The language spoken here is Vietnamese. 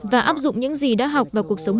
và áp dụng những gì đã học và cố gắng